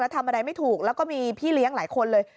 ทำอะไรไม่ถูกแล้วก็มีพี่เลี้ยงหลายคนเลย